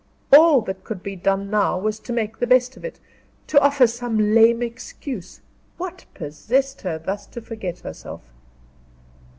All that could be done now, was to make the best of it; to offer some lame excuse. What possessed her thus to forget herself?